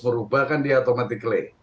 merubah kan dia otomatik klik